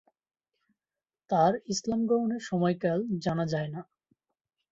তার ইসলাম গ্রহণের সময়কাল জানা যায়না।